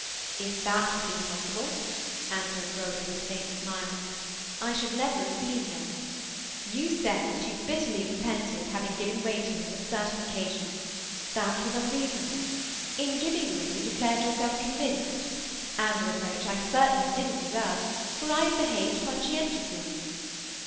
"If that had been possible," answered Rhoda, with a faint smile, "I should never have been here. You said that you bitterly repented having given way to me on a certain occasion. That was unreasonable; in giving way, you declared yourself convinced. And the reproach I certainly didn't deserve, for I had behaved conscientiously."